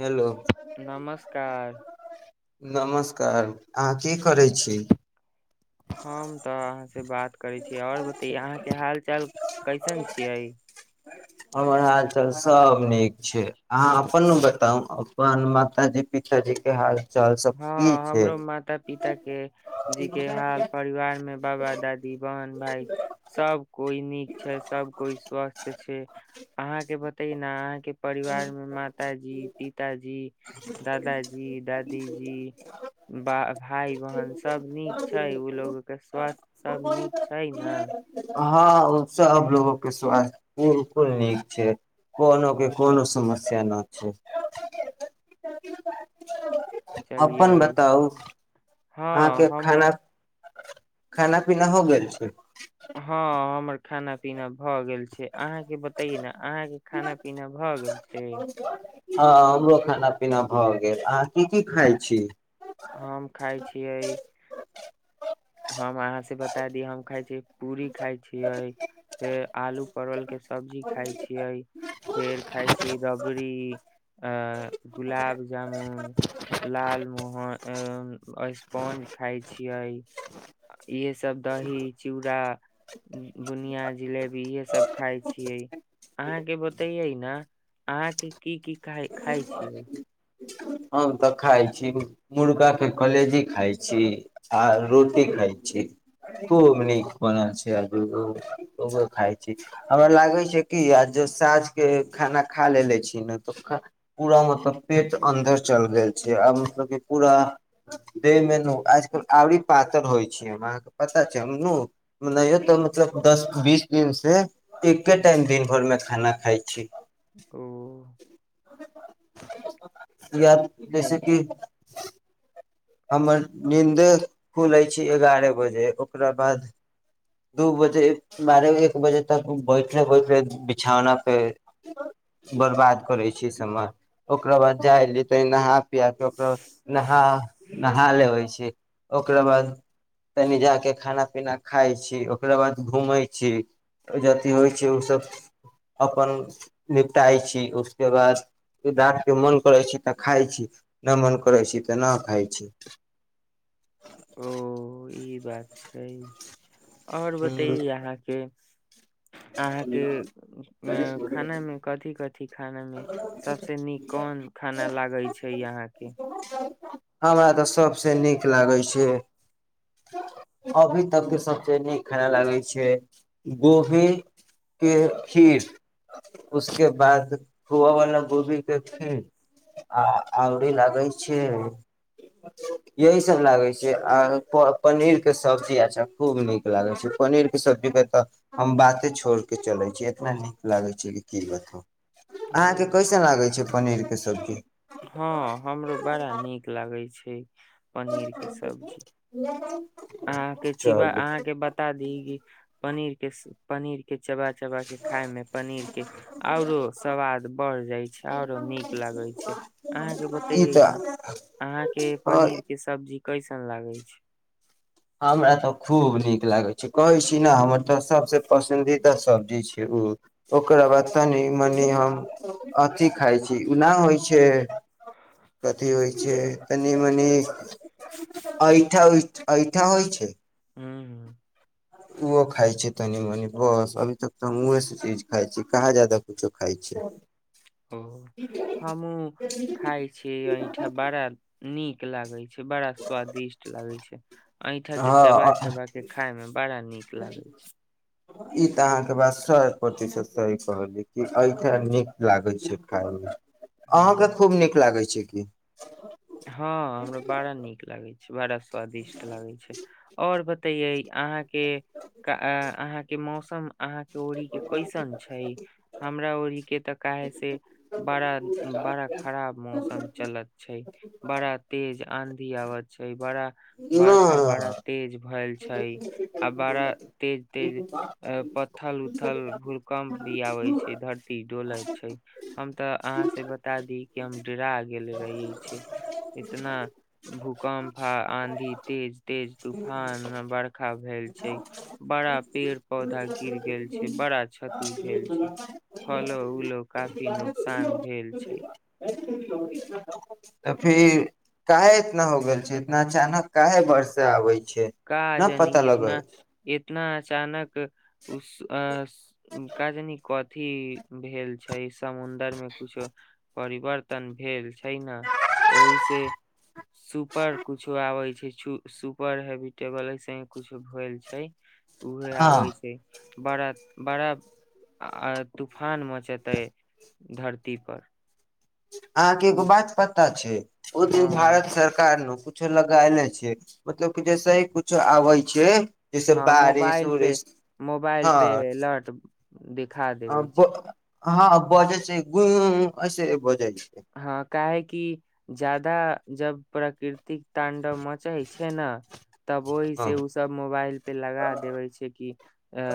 hello नमस्कार नमस्कार अहाँ की करैत छी हम तऽ अहाँ से बात करैत छीयै ओर बताउ अहाँके हाल चाल कैसन छियैक हमर हालचाल सब नीक छैक अहाँ अपन बताउ अपन माताजी- पिताजी केँ हाल चाल सब की हँ छै हमरो माता पिता केँ जी केँ हाल परिवार मे बाबा दादी बहन भाई सब कोई नीक छैक सब कोइ स्वस्थ छैक अहाँके बतैय न अहाँके परिवार मे माताजी पिताजी दादाजी दादी दीजी बा भाई बहन सब नीक छैक ओ लोग केँ स्वासस्थ सब नीक छै ना हँ ओसब लोगो केँ स्वास्थ्य बिल्कुल नीक छै कोनो के कोनो समस्या न छै अपन बताउ हाँ अहाँके हमरो खाना खाना पीना हो गेल छै हाँ हमर खाना पीना भ गेल भगेल छै अहाँ केँ बताइये न अहाँ केँ खाना पीना भ गेल छैक हँ हमरो खाना पीना भऽ गेल अहाँ की की खाईत छी हम खाई छियैक हम अहाँ से बता दी हम खाई छी पूरी खाय छियै फेर आलू परबल केँ सब्जी खाय छियैक फेर खाउ छी राबड़ी आ गुलाब जामुन लाल मोहन स्पॉंज खाय छियैक इहे सब दही चूड़ा बुनिया जिलेबी इहे सब खाय छियै अहाँ के बतैयै ने अहाँ के की की खाइ खाय छियै हम तऽ खाय छी मुर्गा के कलेजी खाय छी आ रोटी खाय छी खूब नीक बनल छै आ ओ खाई छी हमरा लागै छै कि आ जो साँझ के खाना खा लेे छी ने पूरा मतलब पेट अन्दर चलि गेल छै आ मतलब कि पूरा देह मे नु आजकल आवरी पातर होइ छै हमरा अहाँके पता छै हम म नहि तऽ मतलब दस बीस दिन से एके टाइम हम्म, दिन भरमे खाना खाई छी ओ या हे जैसे कि हमर नींद खुलै छी एगारह बजे ओकरा बाद दू बजे बारह एक बजे तक बैठले बैठले बिछौना पे बर्बाद करै छी समय ओकरा बाद जाइली तनी नहा पेआ कऽ ओकरा नहा नहा लेबै छी ओकरा बाद तनि जाके खाना पीना खाइत छी ओकरा बाद घूमैत छी जथी होइ छै ओसभ अपन निपटाइ छी उसके बाद डाँटके के मन करैत छी तऽ खाइत छी नहि मन करैत छी तऽ न खाइत छी ओ [inaudible] ई बात छै ओर बतैयौ छी अहाँ के अहाँके अ खानामे कथि कथि खाना मे सबसे नीक कोन खाना लागैत छै अहाँके हमरा तऽ सबसे नीक लागे छै अभी तक के सबसे नीक खाना लागे छै गोभी के खीर उसके बाद खोआ बाला गोभी के खीर आ औरी लागै छै यही सब लागै छै आ पनीर के सब्जी अच्छा खूब नीक लागै छै पनीर के सब्जी के तऽ हम बात एते छोड़ के चलै छ एतना नीक लागै छै कि की बतू ओ अहाँके कैसन लागै छै पनीर के सब्जी हँ हमरो बड़ा नीक लागै छै ठीक [unintelligible] अहाँके चिबा चलू अहाँके बता दी की पनीर के पनीर के चबा चबा के खाय में पनीर के आओरो सवाद बढ़ जाय छै आर नीक लागै छै अहाँके बते ई ने तऽ अहाँके पनीर के सब्जी कैसन लागै छै हमरा तऽ खूब नीक लागै छै कहै छी ने हमर तऽ सभसँ पसन्दीदा सब्जी छै ओ ओकरा बाद तनि मनि हम अथि खाइत छी ओना होइत छै कथि होइ छै तनि मनि आइ इ हो [unintelligible] इच्छा होइ छै हँ ओहो खाइ छै तनी मनि बस अभी तक त हमहेसँ चीज खाइ छी कहाँ जा्यदा कुछो खाइ छै ओ हमू खाइ छी अहिठा बड़ा नीक लागै छै बड़ा स्वादिष्ट लागे छै ऐठाक के चबा हँ चबा के खायमे बड़ा नीक लागै छै ई तऽ अहाँके बात स प्रतिशत सही कहलिय कि एहिऐठ नीक लागैत छै खाायमे अहां हूँ के खूब नीक लागै छै छै की हँ हमरा बड़ा नीक लागैत छै बड़ा स्वादिष्ट लागै छै आओर बताइयै अहाँके अहाँके मौस त अहाँ के ओड़ी के कैसन छै हमरा ओड़ी के तऽ काहे से बड़ा बड़ा खराब मौसम चलत छै बड़ा तेज आंधी आवै छै बड़ा बर्खा बड़ा ना तेज भैल छै आ बड़ा तेज तेज अ पथल उथल भूकम्प भी आबे छै धरती डोलै छै हम तऽ अहाँ से बता दी कि हम डेरा गेल रहि छै इतना भूकम्प आ आंधी तेज तेज तूफान मे बरखा भेल छै बड़ा पेड़ पौधा गिर गेल छै बड़ा क्षति भेल छै फलो उलो काफी नुकसान भेल छै तऽ फिर काहे इतना हो गेल छै इतना अचानक काहे बर्षा आबे छै का न पता जानी लगै इतना इतना अचानक उस अ का जानी कथि अथी भेल छै समुंदर मे कुछो परिवर्तन भेल छै ने ओहि से सुपर कुछो आबै छै सुपर हेवि टेबल से कुछु भेल छै उहे हँ आबै छै बड़ा बड़ा आ तूफान मचेतै धरती पर अहाँके एगो हम बात पता छै ओ हँ दिन भारत सरकार नु कुछ लगायलै छै मतलब की जैसे ही कुछो आबै छै जैसे हँ बारिश मोबाइल पे उरिश मोबाइल हँ पे अलर्ट देख खा देबै छै हँ बज छै गुं हँ काहे कि ज्यदा जब प्रकृतिक तांडव मचै छै ने तब ओहि हँ से ओ सब मोबाइल पे लगा देबे छै कि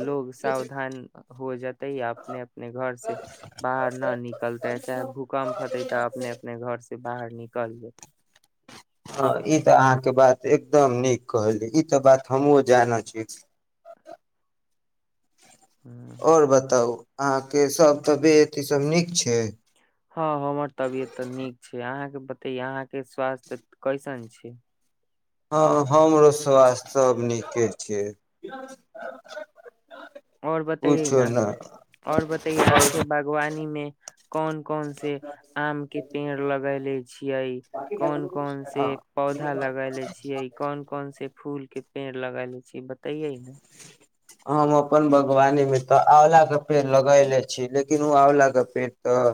लोग सावधान हो जेतैय अपने अपने घर से बाहर न निकलते चाहे भूकम्प त अपने अपने घर से बाहर निकल जेतै हँ ई तऽ अहाँके बात एकदम नीक कहली ई तऽ बात हमहूँ जानै छी आओर बताउ अहाँके सभ तबियत ईसभ नीक छै हँ हमर तबियत तऽ यहाँ के स्वास्थ्य कैसन छै हँ हमरो स्वास्थ्य सभ नीके छै आओर बतैै ने आओर बतयए अहाँके बागवानीमे कोन कोन से आम के पेड़ लगले छियै कोन कोन से पौधा लगले छीयै कोन कोन से फूल के पेड़ लगाले छीयै बतैये न हम अपन बागवानी मे तऽ आँंवलाक के पेड़ लगयले छी लेकिन ओ आँंवलाक के पेड़ तऽ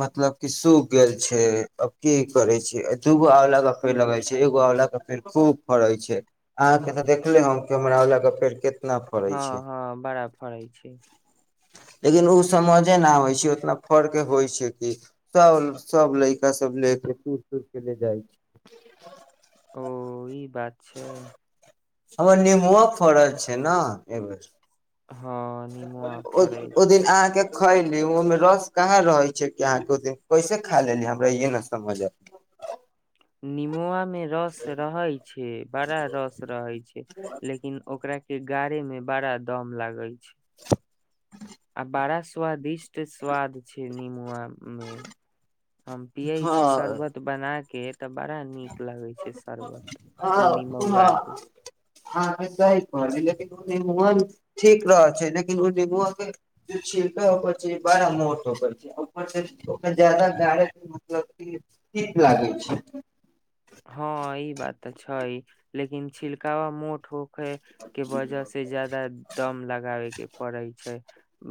मतलब कि सूख गेल छैय आ की करै छी दूगो आंवलाक के पेड़ लगे छै एगो आंवलला के पेड़ खूब फड़ैत छैय अहाँके तऽ देखले हम कि हमर आँंवलाक पेड़ फिरके हँ हँ बड़ा फड़ै छैय लेकिन ओ समझे नहि आबै छैय उतना फर् के होइ छैय कि सभ सभ लड़कासभ लए कऽ सरि सुर कऽ लए जाइ छैय ओ ई बात छैय हमर नेमबओ फड़ल छैय ने एहि हँ निमोआ बेेर ओ फड़ै ओ छै दिन अहाँके खैली ओहिमे रस कहाँ रहै छैय कि अहाँके ओ दिन कैसे खा लेली हमरा इे नहि समझ आत निमआमे रस रहे छैय बड़ा रस रहै छैयि लेकिन ओकरा के गाड़े में बड़ा दम लागे छैय [inaudible] आ बारा स्वादिष्ट स्वाद छैय नीमन मे हम पियै छ शर्बत बना के तऽ बड़ा नीक लगै छैय शरबत नमौआ के अहाँके सही कहली लेकिन ओ निमन ठीक रह छै लेकिन ओ निमवन के छिलका बड़ा मोट होकर छै ऊपर ओ जाद गारा के मतलब ीक लागे छै हँ ई बात तऽ छैय लेकिन छिलकावा मोट हो के वजह से जादा दम लगाबेके पड़ै छैय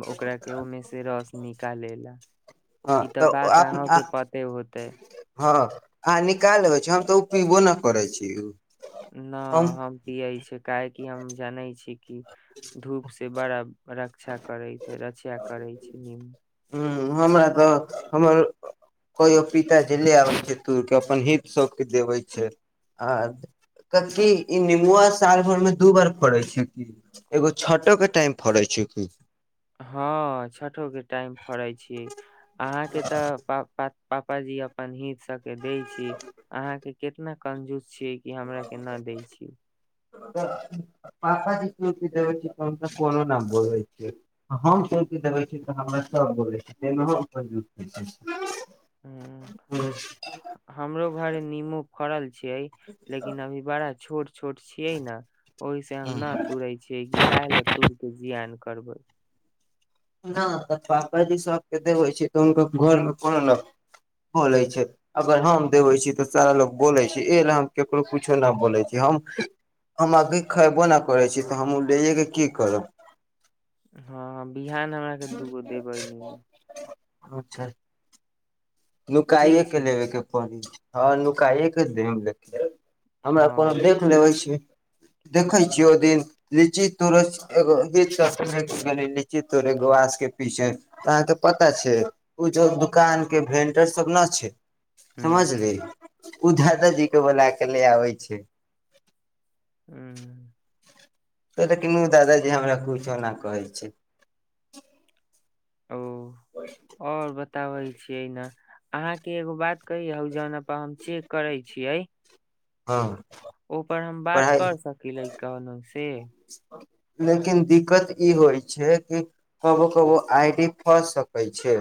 ओकरा के ओहिमे से रस निकाले ला हँ ई तऽ बात आप अहाँके पते होतय हँ आ निकाल लेबै छी हम तऽ ओ पीबो नहि करै छी न हम पियइ छी काहेकि हम जानै छी कि धूप से बड़ा रक्षा करैत रक्षया करै छैय निम ह हमरा तऽ हमर कहियओ पिता जे ले आबै छै तोड़ि कऽ अपन हित सभके देबै छै आ कतकी ई निमुआ साल भरिमे दू बार फड़ै छै कि एगो छटोके टाइम फड़ै छै कि हँ छ के टाइम फड़े छी अहाँ के त पापाजी अपन हित सब के दय छी अहां के कितना कंजूस छिय कि हमरा के ना दै छियै तऽ पापाजी चौपी देबै छैय तऽ हम त कोनो नाम बोलैत छियै हम चकी देबैत छियै तऽ हमरा सभ बोलैत छ ताहिमे हम अपनु ह हमरो घरे निमू फड़ल छियै लेकिन अभी बड़ा छोट छोट छिये ने ओहि से हम न तोड़े छियै कि काहे ला तोड़ के जियान करबै नहि तऽ पापाजी सभके देबै छै तऽ हुनकर घरमे कोनो नहि बोलै छै अगर हम देबै छियै तऽ सारा लोक बोलै छै एहि ल हम ककरो किछो नहि बोलै छी हम हम आगी खयबो नहि करै छी तऽ हमहूँ लैए के की करब हँ बिहान हमरा के दूगो देबै निमु अच्छा ठीक नुकाइए के छै लेबे के पड़ी हँ नूकाएके देम लेके हमरा कोनो हँ देख लेबै छी देखे छियै ओ दिन लीची तोर एगो गीत गेल लीची तरे गवास के पीछे तऽ अहाँके पता छै उ जो दुकान के भें सब ना छै हूँ समझली ओ दादा जी के बोला के ले आबै छै ह्म त लेकिन उ दादाजी हमरा कुछो ना कहै छै ओ ओर ब बताबै छियै ने अहाँके एगो बात कहिये हौ जोन प हम चेक करे छीयै हँ ओपर हम बात पढ़ाइ कर सकी ले कौनो से लेकिन दिक्कत ई होइ छै कि कबो कबो आई डी फसऽ सकै छै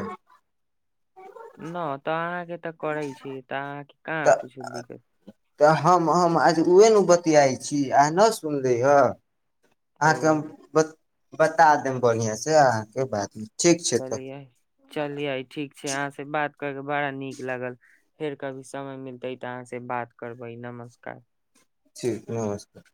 न तऽ अहाँकेे त करै छै तऽ अहाँ के कहाँ तऽ कुछो दिक्कत तऽ हम हम आज उहे नु बतियाई छी अहाँ ना सुनलै हे ओ आहाॅं के हम बता देम बढ़ियां से अहाँके बात ठीक छै तऽ चलिये चलिये ठीक छै अहाँ से बात कर के बड़ा नीक लागल फेर कभी समय मिलतै तऽ अहाँ से बात करबै नमस्कार ठीक नमस्कार